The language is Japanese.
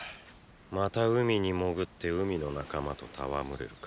また海に潜って海の仲間と戯れるか？